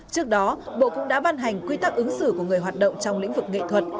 trước đó bộ cũng đã ban hành quy tắc ứng xử của người hoạt động trong lĩnh vực nghệ thuật